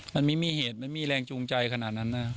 มันไม่มีเหตุไม่มีแรงจูงใจขนาดนั้นนะ